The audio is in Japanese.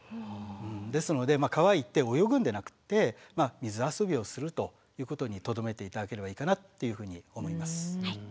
ですので川へ行って泳ぐんでなくって水遊びをするということにとどめて頂ければいいかなっていうふうに思います。